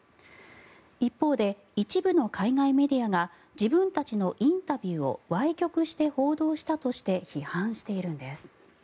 一方で、一部の海外メディアが自分たちのインタビューをわい曲した報道したとして批判しているんです。